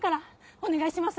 お願いします